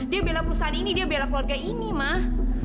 dia bela perusahaan ini dia bela keluarga ini mah